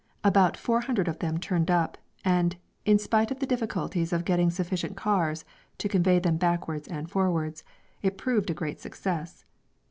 About four hundred of them turned up, and, in spite of the difficulties of getting sufficient cars to convey them backwards and forwards, it proved a great success.